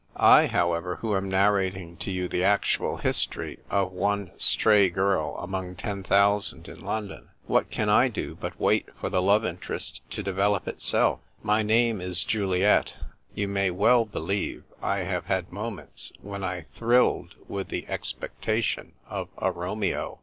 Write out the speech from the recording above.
I, however, who am narrating to you the actual history of one stray girl among ten thousand in London, — what can I do but wait for the love interest to develop itself? My name is Juliet ; you may well believe I have had moments when I thrilled with the expectation of a Romeo.